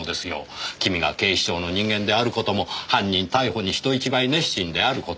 君が警視庁の人間である事も犯人逮捕に人一倍熱心である事も。